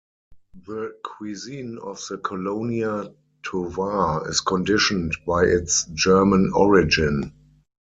The cuisine of the Colonia Tovar is conditioned by its German origin.